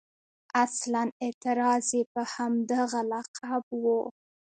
اصلاً اعتراض یې په همدغه لقب و.